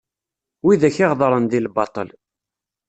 Widak i ɣedṛen di lbatel.